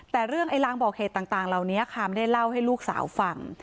แต่เรื่องไอ้รางบอกเหตุต่างเหล่านี้คามได้เล่าให้ลูกสาวฟัง